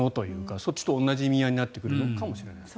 そっちの同じ意味合いになってくるのかもしれないです。